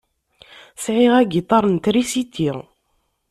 Sεiɣ agiṭar n trisiti.